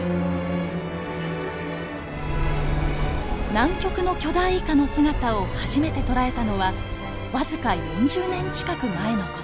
南極の巨大イカの姿を初めて捉えたのは僅か４０年近く前の事。